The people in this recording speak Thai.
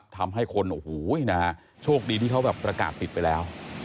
ทำให้คนโอ้โหโชคดีที่เขาประกาศติดไปแล้ว